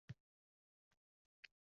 gunohga botamiz.